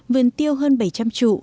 vườn tiêu hơn bảy trăm linh trụ